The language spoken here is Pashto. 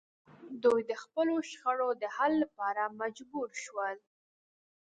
دوی د خپلو شخړو د حل لپاره مجبور شول